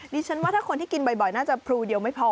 ดิฉันว่าถ้าคนที่กินบ่อยน่าจะพลูเดียวไม่พอ